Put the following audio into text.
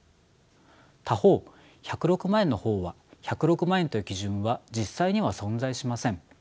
他方１０６万円の方は１０６万円という基準は実際には存在しません。